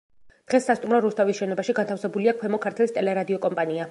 დღეს სასტუმრო რუსთავის შენობაში განთავსებულია ქვემო ქართლის ტელე-რადიო კომპანია.